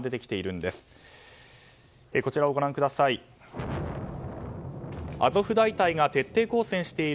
こちらご覧ください。